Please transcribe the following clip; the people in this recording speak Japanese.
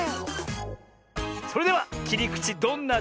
それではきりくちどんなでしょ。